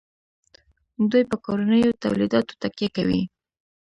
دوی په کورنیو تولیداتو تکیه کوي.